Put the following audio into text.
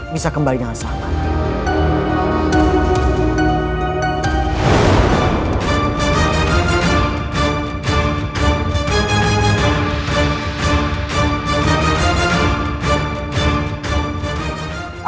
bisa kembali dengan selamat